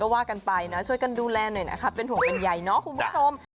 ว่ากันไปนะช่วยกันดูแลหน่อยนะคะเป็นห่วงเป็นใยเนาะคุณผู้ชม